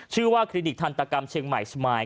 ชื่อว่าคลิดิกทันตกรรมเชียงใหม่ชมาย